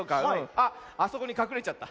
あっあそこにかくれちゃった。